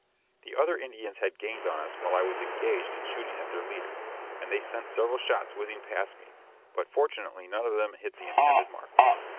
The other Indians had gained on us while I was engaged in shooting at their leader, and they sent several shots whizzing past me, but fortunately none of them hit the intended mark.